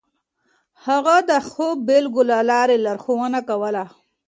هغه د ښو بېلګو له لارې لارښوونه کوله.